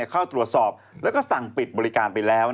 เข้าตรวจสอบแล้วก็สั่งปิดบริการไปแล้ว